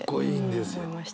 思いました。